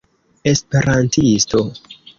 esperantisto